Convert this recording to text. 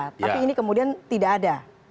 tapi ini kemudian tidak ada